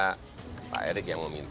ya pak erik dan kita meminta